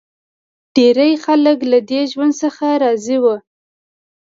ډېری خلک له دې ژوند څخه راضي و.